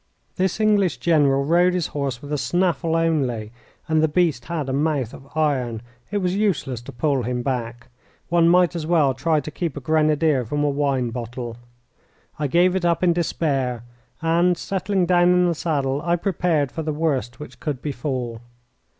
This English General rode his horse with a snaffle only, and the beast had a mouth of iron. It was useless to pull him back. One might as well try to keep a grenadier from a wine bottle. I gave it up in despair, and, settling down in the saddle, I prepared for the worst which could befall.